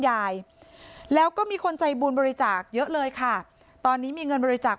ยายแล้วก็มีคนใจบุญบริจาคเยอะเลยค่ะตอนนี้มีเงินบริจาค